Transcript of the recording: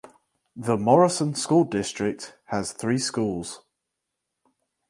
The Morrison school district has three schools.